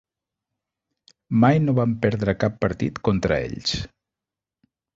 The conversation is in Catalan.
Mai no vam perdre cap partit contra ells.